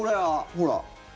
ほら。